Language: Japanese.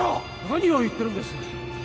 何を言ってるんです？